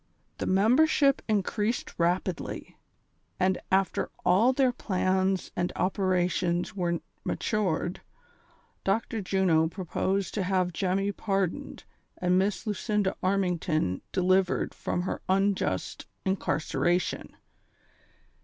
The membership increased rapidly, and after all their plans and operations were matured, Dr. Juno proposed to have Jemmy pardoned and Miss Lucinda Armington de livered from her unjust incarceration